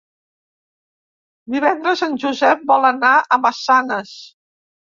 Divendres en Josep vol anar a Massanes.